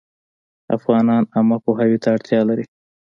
افغانان عامه پوهاوي ته اړتیا لري